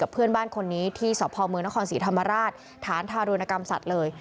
เพื่อนบ้านคนนี้ที่สพเมืองนครศรีธรรมราชฐานทารุณกรรมสัตว์เลย